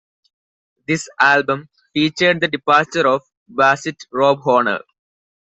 This album featured the departure of bassist Rob Horner.